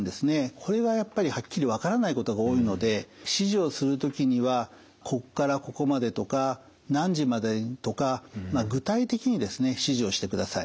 これはやっぱりはっきり分からないことが多いので指示をする時にはこっからここまでとか何時までとか具体的にですね指示をしてください。